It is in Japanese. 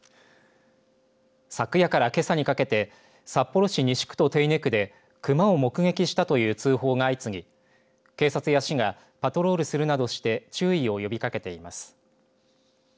昨夜から、けさにかけて札幌市西区と手稲区で熊を目撃したという通報が相次ぎ警察や市がパトロールするなどして注意を呼びかけています。